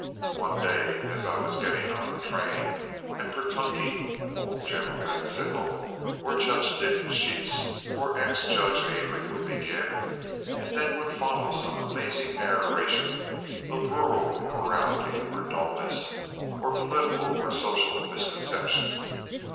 "One day as I was getting on the train at Petunkey," old General Van Sickle, or Judge Dickensheets, or ex Judge Avery would begin—and then would follow some amazing narration of rural immorality or dullness, or political or social misconception.